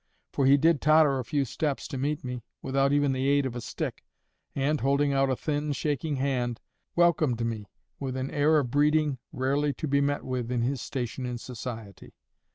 For he did totter a few steps to meet me, without even the aid of a stick, and, holding out a thin, shaking hand, welcomed me with an air of breeding rarely to be met with in his station in society.